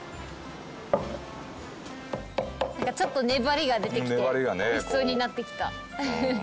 ちょっと粘りが出てきておいしそうになってきた。